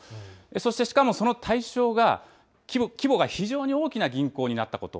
そしてしかもその対象が、規模が非常に大きな銀行になったこと。